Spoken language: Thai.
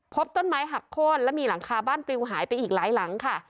พบต้นไม้หักโค้นและมีหลังคาบ้านปลิวหายไปอีกหลายหลังค่ะ